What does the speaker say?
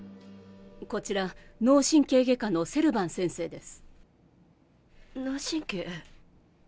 こちら脳神経外科のセルバン先生です。